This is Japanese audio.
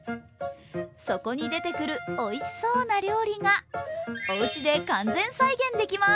そこに出てくるおいしそうな料理がおうちで完全再現できます。